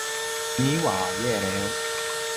นี่หว่า แย่แล้ว